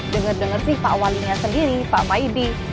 dengar dengar sih pak walinya sendiri pak maidi